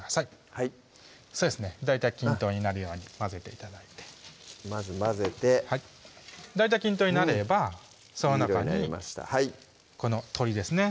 はいそうですね大体均等になるように混ぜて頂いてまず混ぜて大体均等になればその中にこの鶏ですね